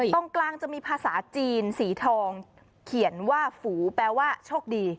ตรงกลางจะมีภาษาจีนสีทองเขียนว่าฝูแปลว่าโชคดี